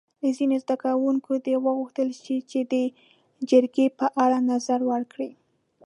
له ځینو زده کوونکو دې وغوښتل شي چې د جرګې په اړه نظر ورکړي.